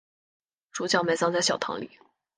主教埋葬在小堂里。